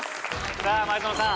さあ前園さん